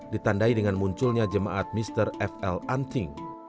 ditandai dengan munculnya jemaat mr f l anting